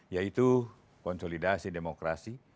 yaitu konsolidasi demokrasi